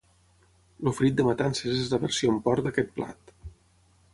El frit de matances és la versió en porc d'aquest plat